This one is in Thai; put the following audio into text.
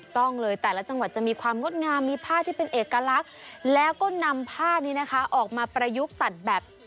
ต้องเลยแต่ละจังหวัดจะมีความงดงามมีผ้าที่เป็นเอกลักษณ์แล้วก็นำผ้านี้นะคะออกมาประยุกต์ตัดแบบ